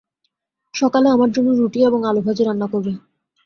সকালে আমার জন্য রুটি এবং আলুভাজি রান্না করবে।